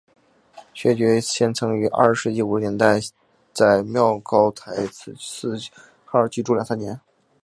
薛觉先曾于二十世纪五十年代初在妙高台四号居住了两三年。